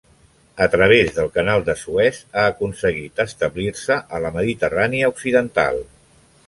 A través del Canal de Suez ha aconseguit establir-se a la Mediterrània occidental.